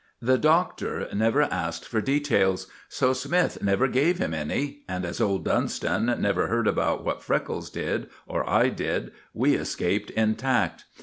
The Doctor never asked for details, so Smythe never gave him any; and, as old Dunstan never heard about what Freckles did, or I did, we escaped intact.